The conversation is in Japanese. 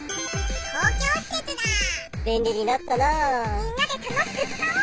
みんなで楽しくつかおう！